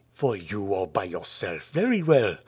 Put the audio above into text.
"For you, all by yourself! Very well!